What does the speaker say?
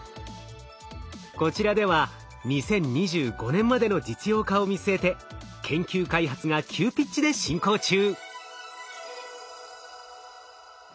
こちらでは２０２５年までの実用化を見据えて研究開発が急ピッチで進行中。